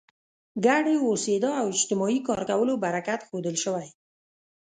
ګډې اوسېدا او اجتماعي کار کولو برکت ښودل شوی.